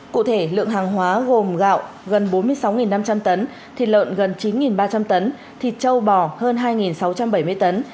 cụ thể lượng hàng hóa gồm gạo gần bốn mươi sáu năm trăm linh tấn thịt lợn gần chín ba trăm linh tấn thịt châu bò hơn hai sáu trăm bảy mươi tấn